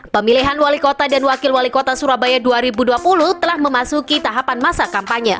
pemilihan wali kota dan wakil wali kota surabaya dua ribu dua puluh telah memasuki tahapan masa kampanye